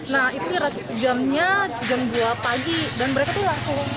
nah itu jamnya jam dua pagi dan mereka tuh langsung